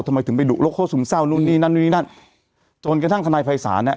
ทำไมถึงไปดุลกโฆษึมเศร้านู่นนี่นั่นนู่นนี่นั่นจนกระทั่งทนายภัยศาลเนี้ย